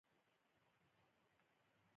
خټکی طبیعي ویټامینونه لري.